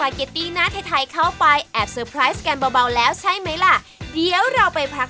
โอเควันนี้ขอบคุณมากนะครับ